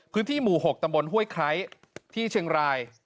พื้นที่หมู่๖ตำบลห้วยไคร้ที่เชียงราย